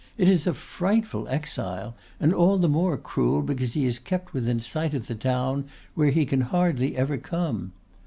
It is a frightful exile, and all the more cruel because he is kept within sight of the town where he can hardly ever come.